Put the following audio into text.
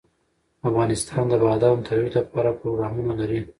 افغانستان د بادام د ترویج لپاره پروګرامونه لري.